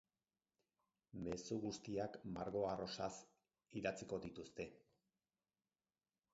Mezu guztiak margo arrosaz idatziko dituzte.